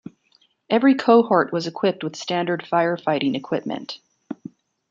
Every cohort was equipped with standard firefighting equipment.